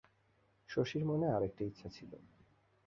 শশীর মনে আর একটা ইচ্ছা ছিল।